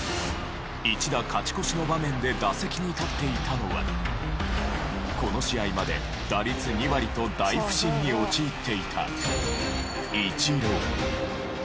一打勝ち越しの場面で打席に立っていたのはこの試合まで打率２割と大不振に陥っていたイチロー。